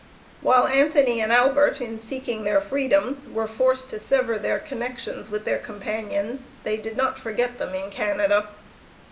While Anthony and Albert, in seeking their freedom, were forced to sever their connections with their companions, they did not forget them in Canada.